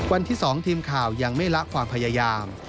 วันที่๒ทีมข่าวยังไม่ละความพยายาม